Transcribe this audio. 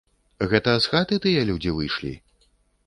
Гэта з хаты тыя людзі выйшлі?